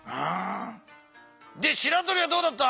しらとりはどうだった？